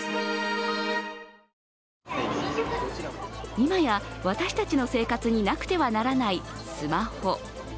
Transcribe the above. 今や私たちの生活になくてはならないスマホ。